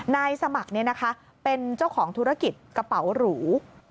นายสมัครเนี่ยนะคะเป็นเจ้าของธุรกิจกระเป๋าหรู